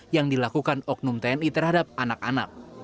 yang dilakukan oknum tni terhadap anak anak